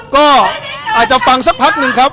ก็อาจจะฟังสักพักหนึ่งครับ